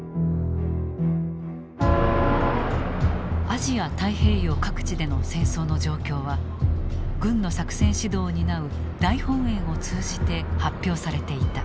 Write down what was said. アジア・太平洋各地での戦争の状況は軍の作戦指導を担う大本営を通じて発表されていた。